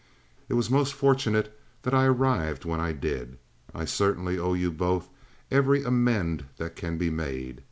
It was most fortunate that I arrived when I did. I certainly owe you both every amend that can be made.